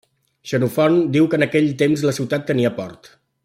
Xenofont diu que en aquell temps la ciutat tenia port.